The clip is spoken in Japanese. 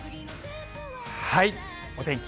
お天気